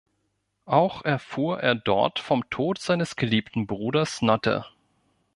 Auch erfuhr er dort vom Tod seines geliebten Bruders Notte.